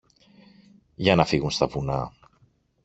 για να φύγουν στα βουνά